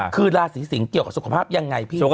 คือราศีสิงศ์เกี่ยวกับสุขภาพยังไงพี่